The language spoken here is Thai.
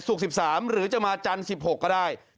๑๓หรือจะมาจันทร์๑๖ก็ได้